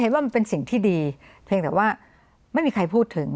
ว่ามันเป็นสิ่งที่ดีเพียงแต่ว่าไม่มีใครพูดถึง